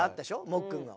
もっくんの。